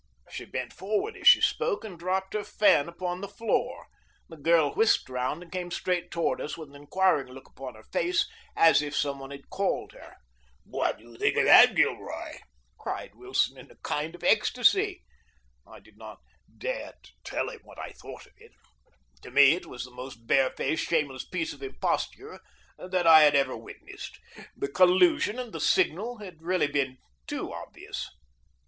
She bent forward as she spoke and dropped her fan upon the floor. The girl whisked round and came straight toward us, with an enquiring look upon her face, as if some one had called her. "What do you think of that, Gilroy?" cried Wilson, in a kind of ecstasy. I did not dare to tell him what I thought of it. To me it was the most barefaced, shameless piece of imposture that I had ever witnessed. The collusion and the signal had really been too obvious.